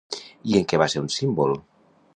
I en què va ser un símbol?